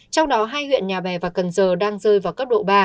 trong đó hai huyện nhà bè và cần giờ đang rơi vào cấp độ ba